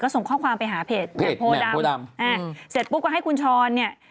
ส่งข้อความไปหาเพจแหม่มโพดำอ่าเสร็จปุ๊บก็ให้คุณช้อนเนี่ย